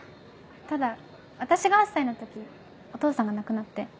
ただ私が８歳の時お父さんが亡くなって。